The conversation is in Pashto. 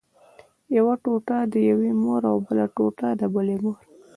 یوه ټوټه د یوې مور او بله ټوټه د بلې مور.